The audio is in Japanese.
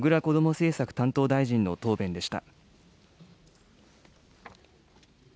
政策担当大臣の答弁でした。